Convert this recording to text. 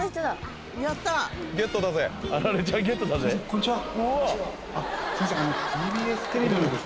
こんにちは